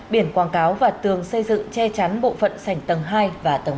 biển quảng cáo và tường xây dựng che chắn bộ phận sảnh tầng hai và tầng một